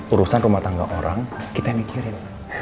urusan rumah tangga orang kita mikirin